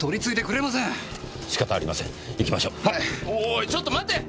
おいちょっと待て！